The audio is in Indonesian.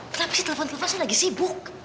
kenapa sih telepon telepon saya lagi sibuk